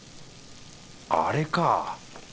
あれか。